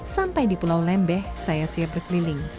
sampai di pulau lembeh saya siap berkeliling